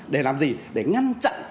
để làm gì để ngăn chặn